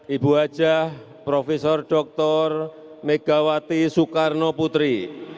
ibu hajah prof dr megawati soekarno putri